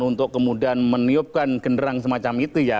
untuk kemudian meniupkan genderang semacam itu ya